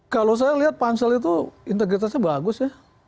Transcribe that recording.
kalau saya lihat pansel itu integritasnya bagus ya